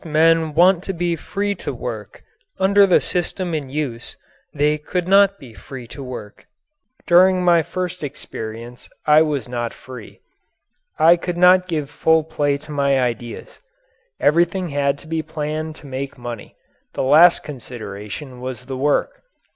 Most men want to be free to work; under the system in use they could not be free to work. During my first experience I was not free I could not give full play to my ideas. Everything had to be planned to make money; the last consideration was the work.